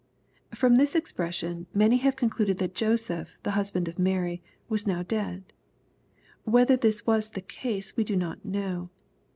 ] From this expression, many have concluded that Joseph, the husband of Mary, was now dead. Whether this was the case we do not know.